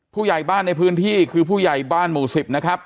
ผู้ใหญ่บ้านในพื้นที่คือผู้ใหญ่บ้านหมู่๑๐นะครับ